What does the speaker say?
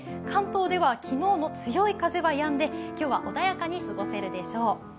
関東では昨日の強い風はやんで今日は穏やかに過ごせるでしょう。